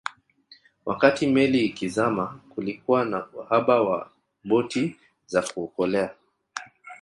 Wakati meli ikizama kulikuwa na uhaba wa boti za kuokolea